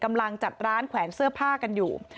กำลังจัดร้านแขวนเสื้อผ้ากันอยู่